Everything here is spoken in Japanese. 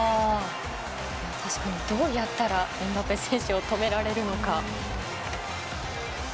確かにどうやったらエムバペ選手を止められるのか。